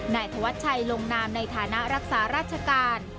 นายธวัชชัยลงนามในฐานะรักษาราชการ